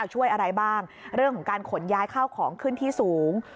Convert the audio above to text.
ช่วยอะไรบ้างเรื่องของการขนย้ายข้าวของขึ้นที่สูง